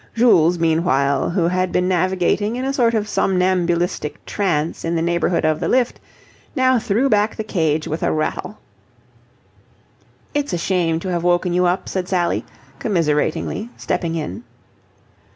Jules, meanwhile, who had been navigating in a sort of somnambulistic trance in the neighbourhood of the lift, now threw back the cage with a rattle. "It's a shame to have woken you up," said Sally, commiseratingly, stepping in.